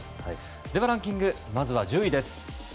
ではランキングまずは１０位です。